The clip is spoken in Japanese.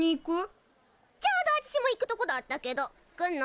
ちょうどあちしも行くとこだったけど来んの？